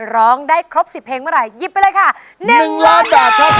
ร้องได้ครบ๑๐เพลงเมื่อไหร่ยิบไปเลยค่ะ๑๐๐๐๐๐บาท